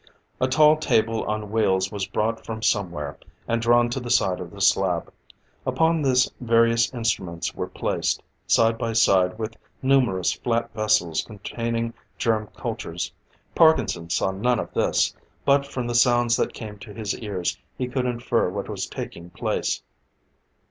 A tall table on wheels was brought from somewhere, and drawn to the side of the slab. Upon this various instruments were placed, side by side with numerous flat vessels containing germ cultures. Parkinson saw none of this, but from the sounds that came to his ears he could infer what was taking place.